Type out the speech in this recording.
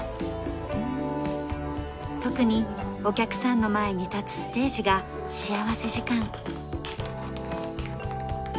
特にお客さんの前に立つステージが幸福時間。